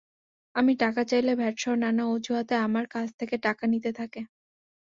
আমি টাকা চাইলে ভ্যাটসহ নানা অজুহাতে আমার কাছ থেকে টাকা নিতে থাকে।